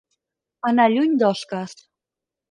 Anar lluny d'osques.